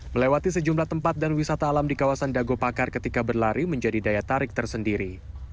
melewati sejumlah tempat dan wisata alam di kawasan dago pakar ketika berlari menjadi daya tarik tersendiri